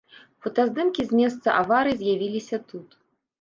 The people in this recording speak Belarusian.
Фотаздымкі з месца аварыі з'явіліся тут.